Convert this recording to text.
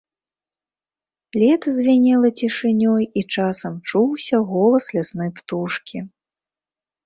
Лета звінела цішынёй, і часам чуўся голас лясной птушкі.